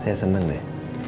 saya seneng deh